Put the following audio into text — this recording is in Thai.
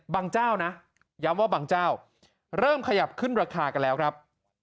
เจ้านะย้ำว่าบางเจ้าเริ่มขยับขึ้นราคากันแล้วครับ